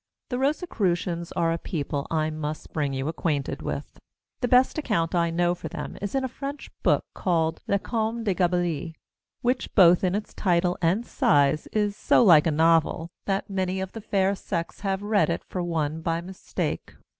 The Rosicrucians are a people I must bring you acquainted with. The best account I know fo them is in a French book called La Comte de Gabalis, which, both in its title and size, is so like a novel, that many of the fair sex have read it for one by mistake.